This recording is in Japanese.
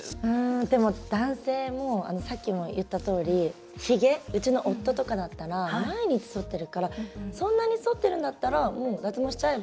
でも、男性もさっきも言ったとおりひげ、うちの夫とかだったら毎日そってるからそんなに、そってるんだったらもう脱毛しちゃえば？